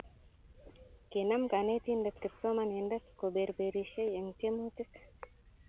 kinam kanetindet kipsomanindet koberbersei eng tiemutik